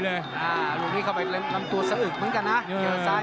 นี่นี่นี่นี่นี่นี่นี่